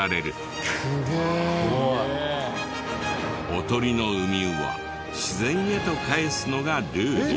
おとりのウミウは自然へと返すのがルール。